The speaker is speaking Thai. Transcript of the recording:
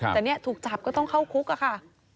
ถูกจับก็ต้องเข้าคุกค่ะค่ะ